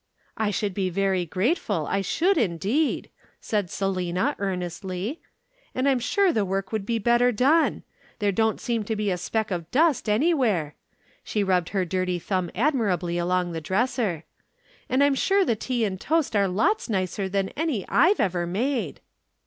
"'I should be very grateful, I should indeed,' said Selina earnestly. 'And I'm sure the work would be better done. There don't seem to be a speck of dust anywhere,' she rubbed her dirty thumb admiringly along the dresser 'and I'm sure the tea and toast are lots nicer than any I've ever made.'